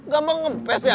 gampang kempes ya